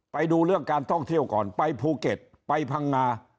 ไปดูเรื่องการท่องเที่ยวก่อนไปภูเก็ตไปพังงา